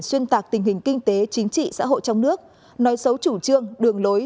xuyên tạc tình hình kinh tế chính trị xã hội trong nước nói xấu chủ trương đường lối